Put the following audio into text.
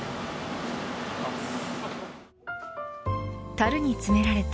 たるに詰められた